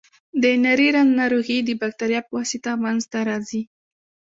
د نري رنځ ناروغي د بکتریا په واسطه منځ ته راځي.